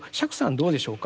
どうでしょうか。